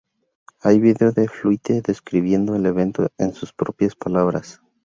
Hay video de Flutie describiendo el evento en sus propias palabras.